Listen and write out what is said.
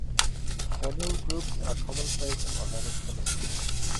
Phenyl groups are commonplace in organic chemistry.